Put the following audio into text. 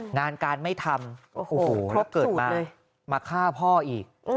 งานการไม่ทำโอ้โหเพราะเกิดมามาฆ่าพ่ออีก